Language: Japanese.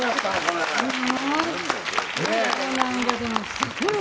すごい！